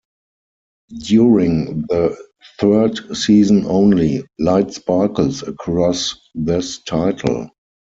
During the third season only, light sparkles across this title.